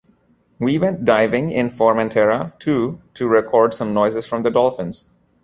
We went diving in Formentera too to record some noises from the dolphins.